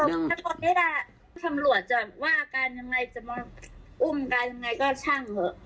ตรงนี้แหละสำรวจจะว่าการยังไงจะมาอุ้มการยังไงก็ช่างเถอะ